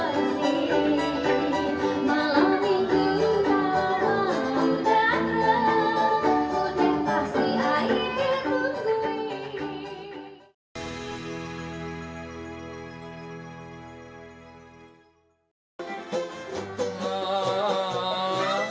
keroncong adalah pelajaran yang berhasil menjelaskan kepentingan orang orang di bandung